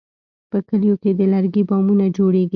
په کلیو کې د لرګي بامونه جوړېږي.